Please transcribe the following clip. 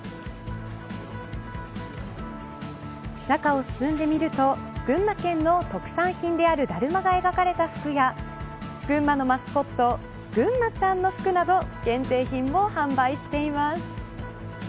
中を進んでみると群馬県の特産品であるだるまが描かれた服や群馬のマスコットぐんまちゃんの服など限定品も販売しています。